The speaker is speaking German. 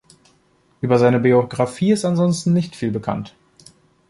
Über seine Biografie ist ansonsten nicht viel bekannt.